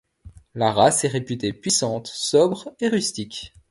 La race est réputée puissante, sobre et rustique.